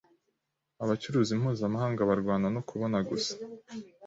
Abacuruzi mpuzamahanga barwana no kubona gusa.